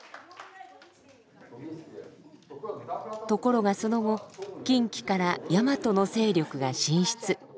ところがその後近畿から大和の勢力が進出。